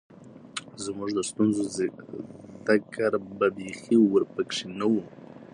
زمونږ د ستونزو ذکــــــر به بېخي ورپکښې نۀ وۀ